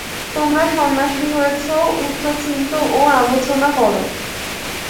তোমরা সন্ন্যাসী হয়েছ, উচ্চ চিন্ত ও আলোচনা কর।